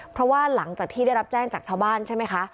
เพราะว่าหลังจากที่ได้รับแจ้งจากชาวบ้านใช่ไหมคะ